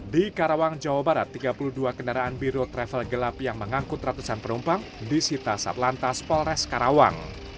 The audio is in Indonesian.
di karawang jawa barat tiga puluh dua kendaraan biru travel gelap yang mengangkut ratusan penumpang disita saat lantas polres karawang